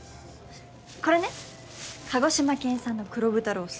これね鹿児島県産の黒豚ロース。